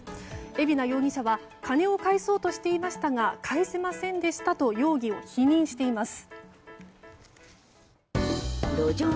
海老名容疑者は金を返そうとしていましたが返せませんでしたと容疑を否認しています。